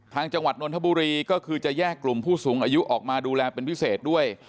จังหวัดนนทบุรีก็คือจะแยกกลุ่มผู้สูงอายุออกมาดูแลเป็นพิเศษด้วย